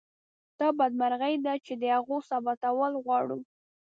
دا بدمرغي ده چې د هغو ثابتول غواړو.